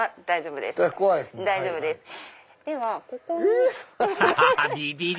大丈夫です。